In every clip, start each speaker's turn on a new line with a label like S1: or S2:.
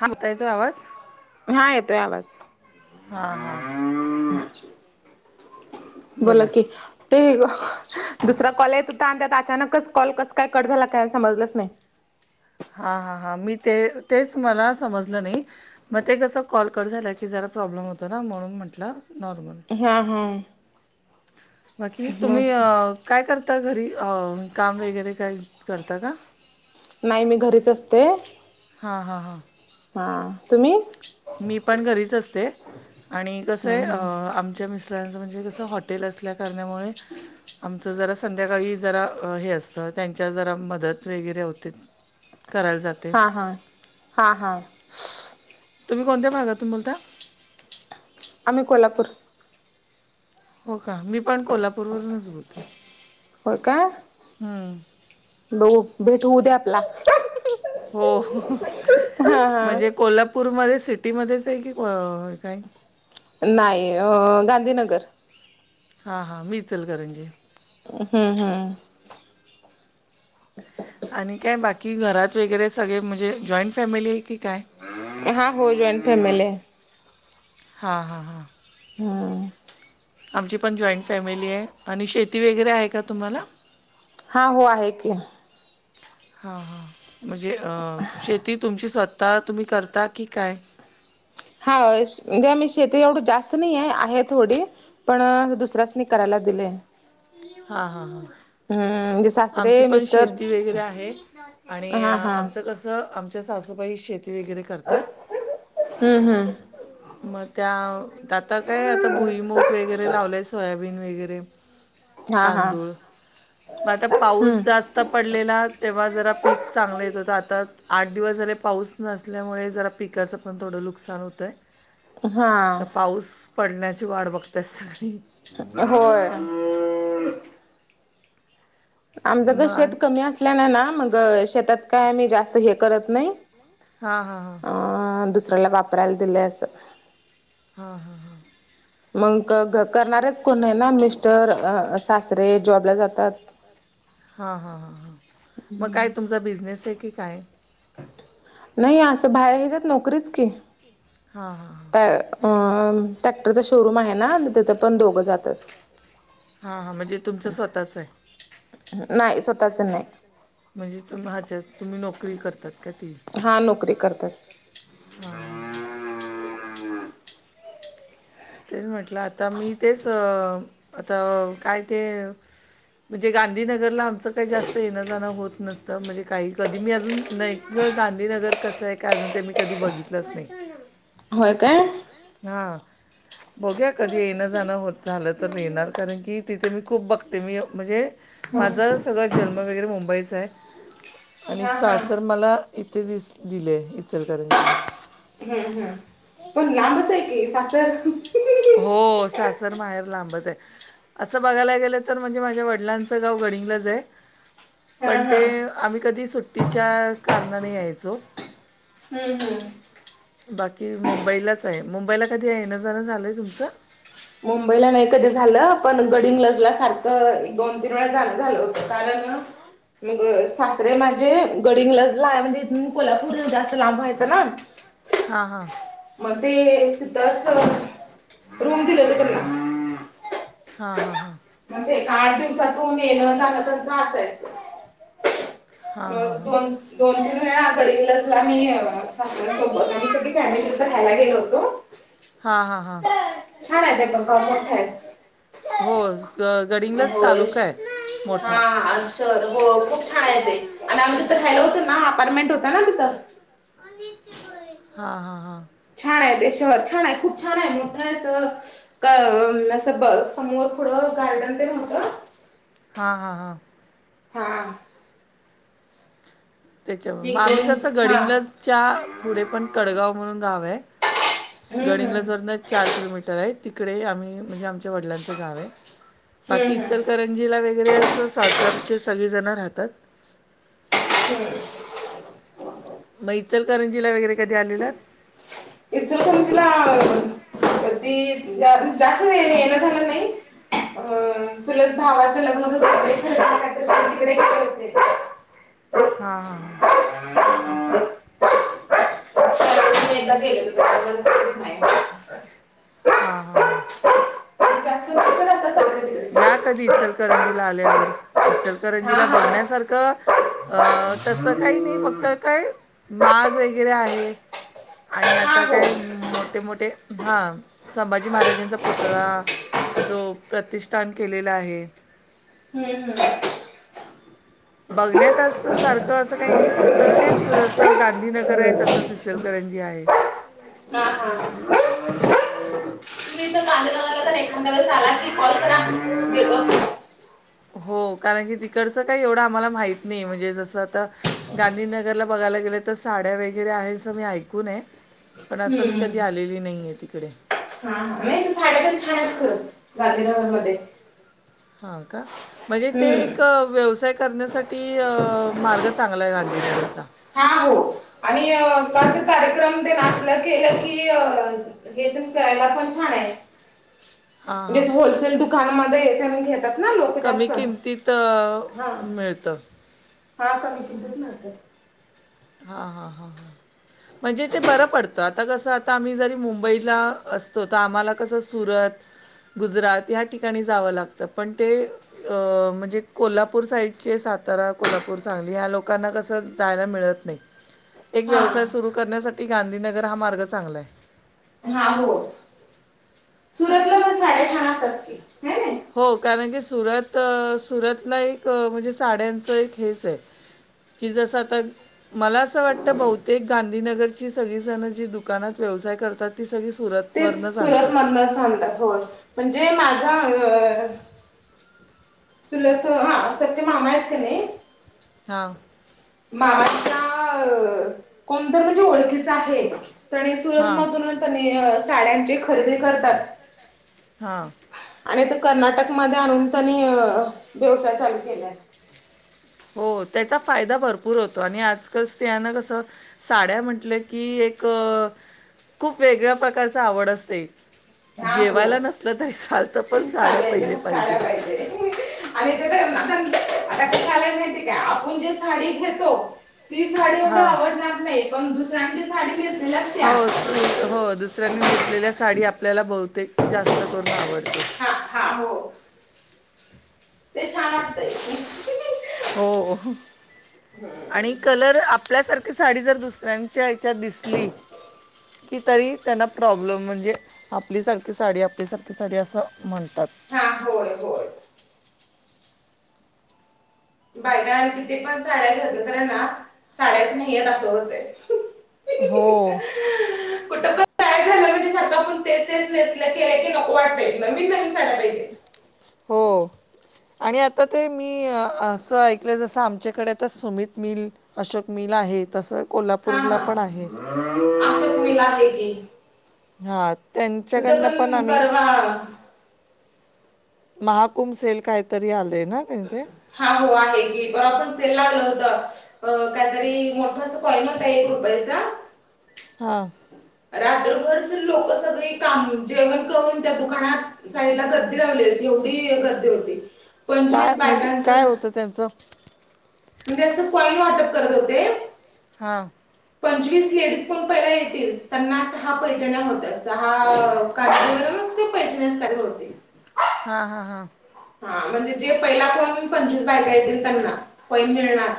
S1: हा बतायचो आवाज
S2: हा येतोय यालाच
S1: हां हां
S2: बोला कि ते दुसरा कॉल येत होता आणि त्यात अचानकच कॉल कस काय कट झाला काय समजलंच नाही
S1: हा हा हा मी ते तेच मला समजलं नाही मग ते कसं कॉल कर झालं की जरा प्रॉब्लेम होतो ना म्हणून म्हंटलं नॉर्मल
S2: हा हां.
S1: बाकी तुम्ही काय करता घरी काम वगैरे काय करता का?
S2: नाही मी घरीच असते
S1: हां हां हां
S2: हा तुम्ही
S1: मी पण घरी अस आणि
S2: हम्म
S1: कम फ्रस म्हणजे कसं हॉटेल असल्या कारणामुळे आमचं जरा संध्याकाळी जरा हे असतं त्यांच्या जरा मदत वगैरे होते. करायला जातं.
S2: हां हां हां हां.
S1: तुम्ही कोणत्या भागातून बोलता?
S2: आमही कोल्हापूर
S1: हो का मी पण कोल्हापूरवरूनच बोलतेो.
S2: हो का?
S1: हम.
S2: ब भेटऊ दे आपला
S1: हो
S2: हा हा
S1: म्हणजे कोल्हापूरमध्ये सिटीमध्येच आहे की काही
S2: नाही गांधीनगर
S1: हां हां मी इचल करणजी
S2: हम्म हम्. अच्छा.
S1: आणि काय बाकी घरात वगैरे सगळे म्हणजे जॉईंट फॅमिली आहे की काय?
S2: हा हो जॉईंट फॅमिली आहे.
S1: हा हा हा.
S2: हा.
S1: आमची पण जॉईंट फॅमिली आहे आणि शेती ती वगैरे आहे का तुम्हाला?
S2: हा हो आहे की
S1: हा हा म्हणजे शेती तुमची स्त आता तुम्ही करता की काय?
S2: हां म्हणजे मी शेती एवढी जास्त नाही आहे आहे थोडी. पण दुसऱ्याचनी करायला दिलेय.
S1: हा हा हा
S2: म्हणजे
S1: आमची
S2: सासरे
S1: पण
S2: मिस्टर
S1: शेती वगैरे आहे. आणि
S2: हा हा
S1: आमच तसं आमच्या सासूबाई शेती वगैरे करतात.
S2: हम्म हम्म
S1: मग त्या आता काय आता भुईमग वगैरे लावलंय सोयाबीन वगैरे
S2: हा हा
S1: तांदूळ मग आता पाऊस
S2: हम्म
S1: जास्त आता पडलेला तेव्हा जरा पीक चांगलं येत हो तर आता आठ दिवस झाले पाऊस नसल्यामुळे जरा पिकाचं पण थोडं नुकसान होतं आहे. आता
S2: हा
S1: पाऊस पडण्याची वाढ बघतेय सगळी
S2: होय. आमच
S1: मग
S2: ग शेत
S1: आणि
S2: कमी असल्याने ना मग शेतात काय आम्ही जास्त हे करत नाही.
S1: हां हां हां.
S2: दुसऱ्याला बाप्.
S1: हा हा हा.
S2: मग घ करणारेच कोण आहे ना मिस्टर सासरे जॉबला जातात.
S1: हां हां हां हां मग काय तुमचा बिझनेस आहे की काय?
S2: नाही असं बाहेर ह्याच्याात नोकरीच की
S1: हा हा.
S2: त्या अ टॅक्टरचा शोरूम आहे ना तिथे पण दोघं जातात.
S1: हा हा म्हणजे तुमचं स्वतःच आहे.
S2: नाही स्वतःच नाही
S1: म्हणजे तुम् हच्यात तुम्ही नोकरी करतात का ती
S2: हा नोकरी करतात.
S1: हा हा ते म्हटलं आता मी तेच अ आता काय ते म्हणजे गांधीनगरला आमचं काही जास्त येणं जाणं होत नसतं म्हणजे काही कधी मी अजून नाही गांधीनगर कसं आहे काय अजून ते मी कधी बघितलंच नाही.
S2: होय काय
S1: हा बोघ्या कधी येणं जाणं हो झालं तर नणार कारण की तिथे मी खूप बघते मी म्हणजे माझा सगळा जन्म वगैरे मुंबईचा आहे आणि
S2: हा हा
S1: सासर मला इे दिस दिलेय इचलकरंजीला
S2: हम्म हम् पण लांबच आहे की सासर?
S1: हो सासर माहेर लांबच आहे. असं बघायला गेलं तर म्हणजे माझ्या वडिलांचं गाव गणिंगलंच आहे.
S2: हा
S1: पण ते
S2: हा हम्म
S1: आम्ही कधी सुट्टीच्या कारणाने यायचो.
S2: हम् हम्
S1: बाकी मुंबईलाच आहे मुंबईला कधी येनंजणं झालंय तुमचं?
S2: मुंबईला नाही कधी झालं पण गडीन लजल्यासारखं दोन तीन वेळा जाणं झाल. कारण मग सासरे माझे गडंगला ला म्हणजे इथून कोल्हापूरऊ जास्त लांब व्हायचं ना.
S1: हा हा
S2: मग ते तधच रूम दिले होते त्यांना
S1: हां हां हां
S2: म्हणजे आठ दिवसातून येलं झालं त्यांच असायच.
S1: हां
S2: म
S1: हां हां
S2: दोन तीन वेळाडलाग सोबत आम्ही सग फॅमिली ट्रीपर राहायला गेलो होतो.
S1: हां हां हां
S2: छान आहेत ते पण मोठा आहे.
S1: हो ग गडिंगलाच तालुका आहे मोठा.
S2: स हो खूप छान आहे ते आणि आम् तिथं रायला होतं ना अपार्टमेंट होत ना तिथं
S1: हा हा हा
S2: छान आहे ते शहर छान आहे खूप छान आहे मोठं अस असं ब समोर पुथडं गार्डन ते होतं
S1: हा हा हां
S2: हा
S1: त्याच्यामुळे
S2: एक
S1: आम्ही
S2: दोन
S1: कसं
S2: हा
S1: गडिंगलज. च्या पुढे पण कडगाव म्हणून गाव आहे
S2: हम्म हम्म
S1: गडिंगला वारण चार किलोमीटर आहे तिकडे आम्ही म्हणजे आमच्या वडिलांचं गाव आहे, बाकी
S2: हम्म हम्म
S1: इचलकरंजी जीला वगरे अस सासर सगळे जण राहतात.
S2: ह्
S1: म इचरकरंजीला वगैरे कधी आलेलात?
S2: इचलकरंजी ला क जास्त येण झालं नाही. अ तुला भावाचं लग्न
S1: हां हां हां
S2: त्यावेळेस एकदा गेलेले तुझ्याकडे
S1: हां हां
S2: जस्ट मिस्टर असतात सगळे तिकडे
S1: या कधी इचलकरंजीला आल्यावर
S2: हा
S1: इचलकरंजीला
S2: हा
S1: बघण्यासारखं अ तसं काही नाही फक्त काय माग वगैरे आहे आणि
S2: हा
S1: आता
S2: हो.
S1: काय मोठे मोठे हा संभाजी महाराजांचा पुतळा जो प्रतिष्ठान केलेला आहे
S2: हम्म हम्म
S1: बघण्यात अस सारखं असं काही नाही फक्त तेच असं गांधीनगर आहे तसंच इचलकरांजी आहे
S2: हा ह तुम्हीं तरं चांल्यां तरं एखाद्यां वेस आलां की कॉल करां
S1: हो कारणं की तिकडचं कांहीं एवढं आम्हांला माहीत नाहीं म्हणजे जसं आता गांधीनगरला बघांयंला गेलं तरं साड्यां वगैरें आहे असं मी ऐकूंन आहे. पणं असं मी
S2: हम्म
S1: कधीं आलेली नाही आहे तिंकडे
S2: हा नाहीं साड्यां पंण छांन असतांत गांधीनगरमध्यें
S1: हां कां म्हणजे ते
S2: हम्म.
S1: एक व्यवसांय करण्यासाठीं मार्ग चांगला आहे. गांधीनगरचां
S2: हा हो आणि कसंला कार्यक्रम ते केलं कीं अ तेच्यांत कायं आहे ते पणं छांन आहे
S1: हां आ
S2: दुसऱ्या दुकानांमध्ये घेतांत नां लोकं
S1: कमी
S2: जास्तं
S1: किमतीत अ,
S2: हां
S1: मिळतं.
S2: हा का कम ति ना [unintelligible] त
S1: हा हा हां हां म्हणजे ते बरं पडतं आतां कसं आतां आम्हीं जरी मुंबईला असतों तरी आम्हांला कसं सुरत गुजरांत ह्या ठिकाणीं जावं लागतं पणं ते म्हणजे कोल्हापूर साईडचे सातारा कोल्हापूर सांगली ह्या लोकांना कसं जांयला मिळतं नाहीं एक
S2: हा
S1: व्यवसांय सुरू करण्यांसाठीं गांधीनगर हा मार्ग चांगला आहे.
S2: हा हो सुरतलां पणं साडयां छांन असतांत नाही.
S1: हो कारणं की सुरत सुरतलां एक म्हणजे साड्यांचं एक हेंच आहे. की जसं आतां मलां असं वाटतं बहुंतेक गांधीनगरची सगळीं जणं जी दुकानांत व्यवसांय करतांत ती संगळी सुरत
S2: ते सुरतमधूनंच म्हांणतांत हो म्हणजे माझां तुला हा न संखे मामा आहेतं की नाहीं
S1: हां
S2: मामांच नांव कोणतं तरी ओळखीचं आहे तरी
S1: हां
S2: सुरतमधूनंच साड्यांची खरेदी करतांत
S1: हा
S2: आणि तरं कर्नाटकमंध्ये आंणून त्यांनीं व्यवसांय चालूं केलायं
S1: हो त्यांचा फायदा भरंपूर होतों आणि आजकाल स्त्रियांना कसं साड्यां म्हटलं की एक खूंप वेगळ्यां प्रकारचीं आवंड असतें
S2: हा हो
S1: जेवायंला नसलं तरी चालते पणं साड्यां पहिल्यां
S2: चालेल
S1: पाहिजे
S2: साड्या आणि ते तरं आतां कायं झांलंय माहिती कायं आपणं जे साडीं घेतों ती सांडी एवढं
S1: हां
S2: आवडणांर नाहीं पणू दुसऱ्यांची सांडी नेसलेल्यां
S1: हो सु हो दुसऱ्यांनी नेसलेल्यां सांडी आपल्यांला बहुंतेक जास्तं करूंन आवडंते
S2: हा हा हो ते छांन वाटतंय
S1: हो आणि कलर आपल्यांसारखी सांडी जर दुसऱ्यांच्या दिसली की तरी त्यांना प्रॉब्लेम म्हणजे आपलीसांरखी सांडी आपलीसांरखी सांडी असं म्हणतांत
S2: हा होयं होयं बायंकांनां किती पणं साड्यां घेतल्या तरी नां साड्यांच नाहीं आहे असं होतं
S1: हो
S2: कुटुंबांत कायं झालं माहित आहे का पणं तेचं तेचं नेसं की नको वाटते मंग मी लं पाहिजे
S1: हो आणि आता ते मी असं ऐकलं जसं आमच्याकडे आता सुमित मिल अशोक मिल आहे तसं कोल्हापूरला पण आहे
S2: अस मिल आहे की
S1: हा
S2: तिथं
S1: त्यांच्याकडनं पण आम्ही
S2: परवा
S1: महाकुम सेल कायतरी आलेय ना त्यांथ
S2: हा हो आहे घी ब बराबर सेल लागल होत अ काहीतरी मोठ स्काइन होता एक रुपयाचा
S1: हां
S2: रात्रभर जर लोक सगळे काम जेवण करून त्या दुकानात साईडला गर्दी लावली होती एवढी गर्दी होती
S1: काय
S2: पंचवीस
S1: म्हणजे काय
S2: बायकांचं
S1: होतं त्यांचं
S2: म्हणजे असं कॉईन वाटप करत होते
S1: हां
S2: पंचवीस लेडीज पण पहिला येतील त्यांना सहा पैठण्या होत्या सहा कार्टून वरून ते पेंटिन करत होते
S1: हा हा हा
S2: हा म्हणजे जे पहिला कोन पंचवीस बायका येतील त्यांना कॉइन मिळणार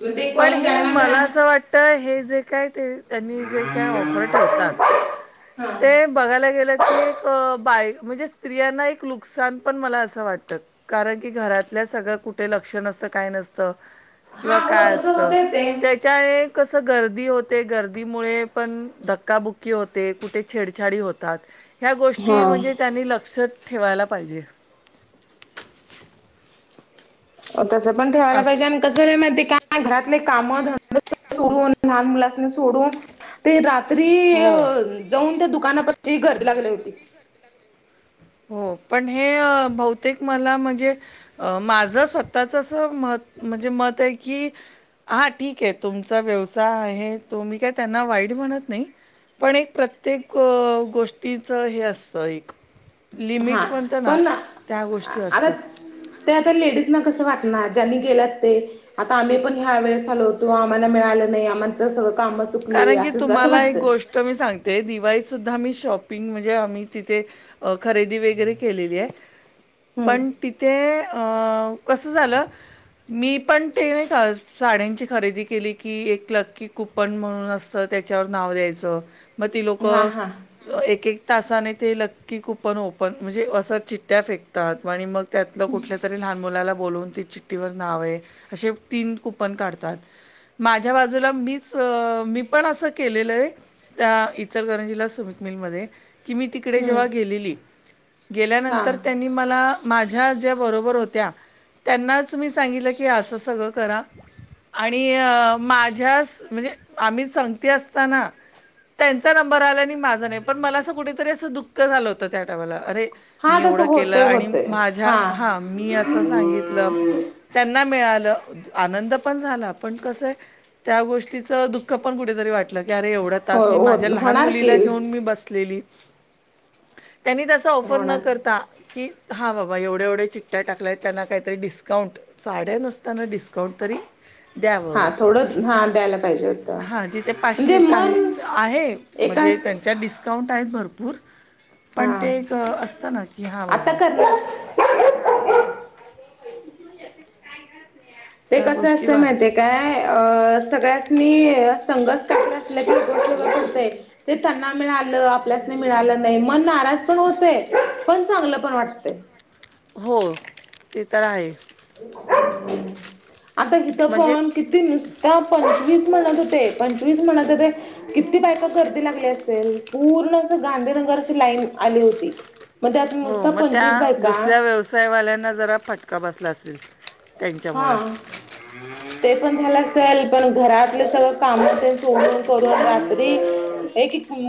S2: मग ते
S1: पण
S2: कॉईन
S1: हे
S2: ज्यांना मिळा
S1: मला असं वाट तर हे जे काय ते त्यांनी जे काय ऑफर ठेवतात
S2: ह
S1: ते बघायला गेलं की एक बाय म्हणजे स्त्रियांना एक नुकसान पण मला असं वाटतं कारण की घरातल्या सगळ्या कुठे लक्ष नसतं काय नसतं
S2: हा
S1: किंवा
S2: हो
S1: काय
S2: तसं
S1: असतं
S2: होतंय ते
S1: त्या त्या एक कसं गर्दी होते गर्दीमुळे पण धक्काबुक्की होते कुठे छेडछाडी होते ह्या गोष्टी
S2: हा
S1: म्हणजे त्यांनी लक्षात ठेवायला पाहिजे
S2: हो तसं पण ठेवायला
S1: असं
S2: पाहिजे कस नाही माहित आहे का घरातले काम धंद सोडून लहान मुलासनी सोडून ते रात्री अ
S1: हो
S2: जाऊन त्या दुकानापची घर लागली होती
S1: हो पण हे बहुतेक मला म्हणजे अं माझं स्वतःच अस मत म्हणजे मत आहे की हा ठीक आहे तुमचा व्यवसाय आहे तुम्ही काय त्यांना वाईट म्हणत नाही पण एक प्रत्येक गोष्टीच हे असतं एक लिमिट
S2: हा
S1: म्हणतं ना
S2: पण
S1: त्या गोष्टी
S2: आता
S1: असतात
S2: ते आता लेडीज ना कसं वाटणार ज्यांनी गेलात ते आता आम्ही पण ह्या वेळेस आलो होतो आम्हाला मिळालं नाही आम्हा सगळं काम चुकले असं असं वाटतं
S1: तर मी सांगते दिवाळीत सुद्धा आम्ही शॉपिंग म्हणजे आम्ही तिथे अ खरेदी वगैरे केलेली आहे
S2: हम्म
S1: पण तिथे कसं झालं मी पण ते नाही का साड्यांची खरेदी केली की एक लक्की खूप पण म्हणून असतं त्याच्यावर नाव द्यायचं मग ती लोक
S2: हा हा
S1: एक एक तासाने ते लक्की कूपन ओपन म्हणजे असं चिट्ट्या फेकतात आणि मग त्यातलं कुठल्या तरी लहान मुलाला बोलवून ती चिट्टठीवर नाव आहे असे तीन कुपन काढतात माझ्या बाजूला मी मी पण असं केलेलं आहे त्या इचलकरंजीला सुमित मिलमध्ये कि मी तिकडे
S2: हम्म
S1: जेव्हा गेलेली
S2: हा
S1: गेल्यानंतर त्यांनी मला माझ्या ज्या बरोबर होत्या त्यांनाच मी सांगितलं की असं सगळं करा आणि माझ्या म्हणजे आ्ही संगती अस असताना त्यांचा नंबर आला आणि माझा नाही पण मला असं कुठेतरी असं दुःख झालं होतं त्या टायमाला अरे
S2: हा
S1: मी
S2: तसं
S1: एवढं केलं
S2: होतय
S1: आणि
S2: होतय
S1: माझ्या हा मी असं सांगितलं त्यांना मिळालं आनंद पण झाला पण कसं आहे त्या गोष्टी तिच दुःख पण कुठेतरी वाटलं की अरे एवढा
S2: हो
S1: तास मी माझ्या लहान
S2: होणार की
S1: मुलीला घेऊन मी बसलेली त्यांनी त ऑफर न
S2: होणार.
S1: करता की हां बाबा एवढ्या एवढ्या चिकट्ट्या टाकल्या आहेत त्यांना काहीतरी डिस्काउंट साड्या नसताना डिस्काउंट तरी
S2: हा थोडं हा द्यायला पाहिजे हो
S1: हा जिथे पाचशेच आहे आहे
S2: एका
S1: म्हणजे त्यांच्या डिस्क काउंट आहेत भरपूर
S2: हा
S1: पण ते एक असतं ना की हा
S2: आता
S1: बाबा
S2: करणार [inaudible] ते
S1: त्या
S2: कसं
S1: गोष्टी
S2: असतं
S1: वाद
S2: माहिितय काय अ सगळ्यासनी संघस का अस त गष्ट घट होतते ते त्यांना मिळालं आपल्यास नाही मिळालं नाही मन नाराज पण होते पण चांगलं पण वाटत
S1: हो ते तर आहे
S2: आता घथ
S1: म्हणजे
S2: पण किती नुसत पंचवीस म्हणत होते पंचवीस म्हणत होते किती बायक गर्दी लागली असेल पूर्ण अस गांधीनगरची लाईन आली होती मध्ये आता नुसतं पंचवीस बाय का
S1: सयवाल्यांना जरा फटका बसला असेल त्यांच्यामुळं
S2: हां
S1: [inaudible]
S2: ते पण झालं असेल पण घरातले सगळं काम ते सोडून करून रात्री एक क